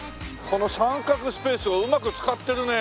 この三角スペースをうまく使ってるね。